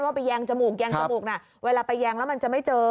ว่าไปแยงจมูกเวลาไปแยงแล้วจะไม่เจอ